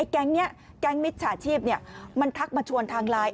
แก๊งนี้แก๊งมิจฉาชีพมันทักมาชวนทางไลน์